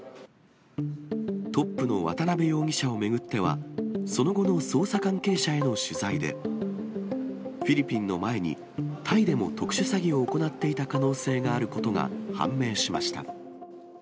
トップの渡辺容疑者を巡っては、その後の捜査関係者への取材で、フィリピンの前に、タイでも特殊詐欺を行っていた可能性があることが判明しました。